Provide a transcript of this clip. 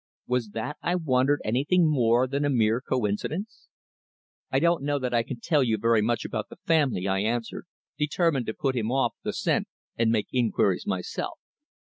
Was that, I wondered, anything more than a mere coincidence? "I don't know that I can tell you very much about the family," I answered, determined to put him off the scent and make inquiries myself.